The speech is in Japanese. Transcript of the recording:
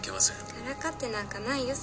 からかってなんかないよ。